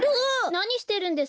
なにしてるんですか？